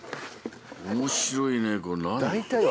面白いねこれ何？